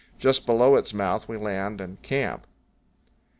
Just below its mouth we land and camp.